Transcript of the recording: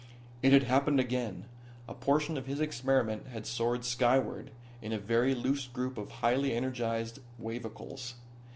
It had happened again. A portion of his experiment had soared skyward, in a very loose group of highly energized wavicles.